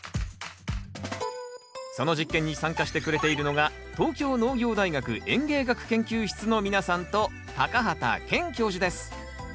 その実験に参加してくれているのが東京農業大学園芸学研究室の皆さんと畑健教授です。